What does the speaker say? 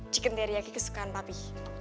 chicken teriyaki kesukaan papi